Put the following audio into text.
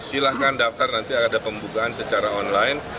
silahkan daftar nanti ada pembukaan secara online